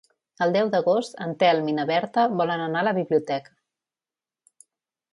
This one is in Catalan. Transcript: El deu d'agost en Telm i na Berta volen anar a la biblioteca.